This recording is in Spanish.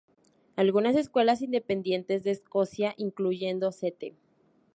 Algunas escuelas independientes de Escocia, incluyendo St.